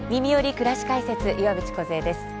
くらし解説」岩渕梢です。